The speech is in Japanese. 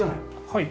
はい。